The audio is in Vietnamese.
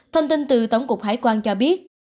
thông tin từ tổng cục hải quan cho biết